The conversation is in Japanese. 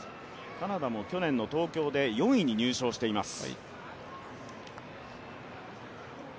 カナダも去年の東京で４位に入賞しています。